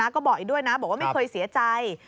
ก็บอกอีกด้วยนะบอกว่าไม่เคยเสียใจ